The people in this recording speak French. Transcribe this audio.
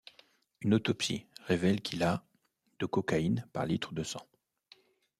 Une autopsie révèle qu'il a de cocaïne par litre de sang.